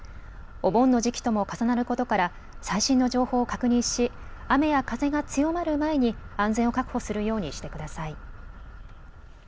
お盆の時期とも重なることから最新の情報を確認し雨や風が強まる前に安全を確保するようにしてください。